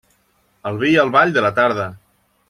Al vi i al ball, de la tarda.